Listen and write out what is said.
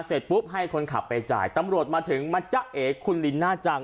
เสร็จปุ๊บให้คนขับไปจ่ายตำรวจมาถึงมาจ๊ะเอ๋คุณลินน่าจัง